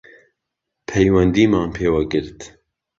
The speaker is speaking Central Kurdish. پەیوەندیمان پێوە گرت